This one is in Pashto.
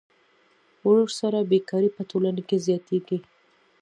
ورسره بېکاري په ټولنه کې زیاتېږي